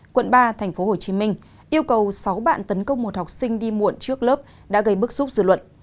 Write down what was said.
quận ba tp hcm yêu cầu sáu bạn tấn công một học sinh đi muộn trước lớp đã gây bức xúc dư luận